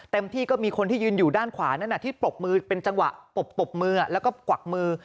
ที่ก็มีคนที่ยืนอยู่ด้านขวานั้นที่ปรบมือเป็นจังหวะปบมือแล้วก็กวักมือ